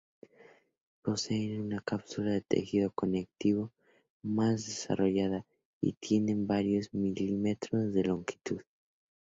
Poseen una cápsula de tejido conectivo más desarrollada y tienen varios milímetros de longitud.